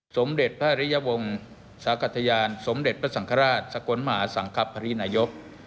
สมเด็จพระอริยวงศ์สากัทยานสมเด็จพระสังฆราชสกลมหาสังคับรินายก